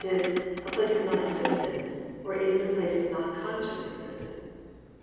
e., a place of non existence, or is it a place of non conscious existence_?